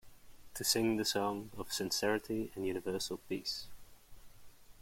To sing the song of sincerity and universal peace.